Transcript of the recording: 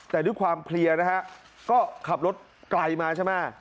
แต่ด้วยความเคลียร์นะฮะก็ขับรถไกลมาใช่ไหม